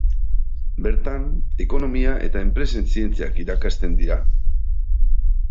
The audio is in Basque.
Bertan, Ekonomia eta enpresen zientziak irakasten dira.